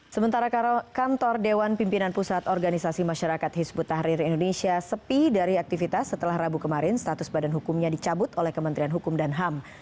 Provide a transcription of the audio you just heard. sementara kantor dewan pimpinan pusat organisasi masyarakat hizbut tahrir indonesia sepi dari aktivitas setelah rabu kemarin status badan hukumnya dicabut oleh kementerian hukum dan ham